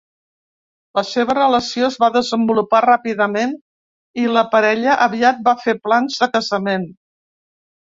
La seva relació es va desenvolupar ràpidament, i la parella aviat va fer plans de casament.